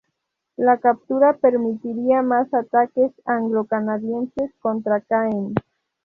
La captura permitiría más ataques anglo-canadienses contra Caen.